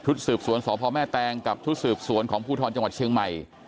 สืบสวนสพแม่แตงกับชุดสืบสวนของภูทรจังหวัดเชียงใหม่